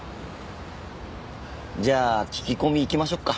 じゃあ聞き込み行きましょうか。